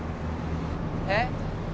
えっ？